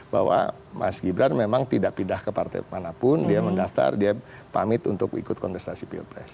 bahwa mas gibran memang tidak pindah ke partai manapun dia mendaftar dia pamit untuk ikut kontestasi pilpres